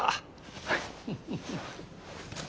はい。